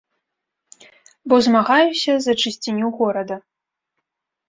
Бо змагаюся за чысціню горада.